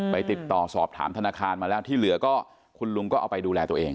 ติดต่อสอบถามธนาคารมาแล้วที่เหลือก็คุณลุงก็เอาไปดูแลตัวเอง